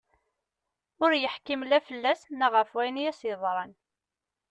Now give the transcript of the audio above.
Ur yeḥkim la fell-as neɣ ɣef wayen i as-yeḍran.